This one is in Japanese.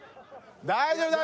大丈夫だよ